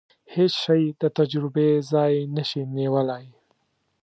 هیڅ شی د تجربې ځای نشي نیولای.